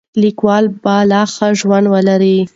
کلیوال به لا ښه ژوند ولري.